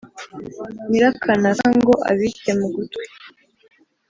Nyirakanaka ngo abite mu gitwi